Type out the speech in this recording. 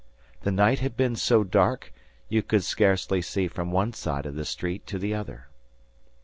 The night had been so dark, you could scarcely see from one side of the street to the other.